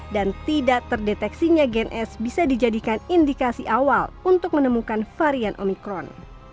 dan tidak terdeteksinya gen s bisa dijadikan indikasi awal untuk menemukan varian omikron